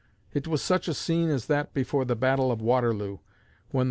It was such a scene as that before the battle of Waterloo, when the